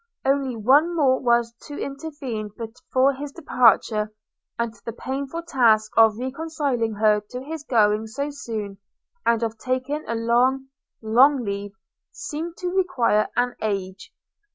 only one more was to intervene before his departure: and the painful task of reconciling her to his going so soon, and of taking a long – long leave, seemed to require an age!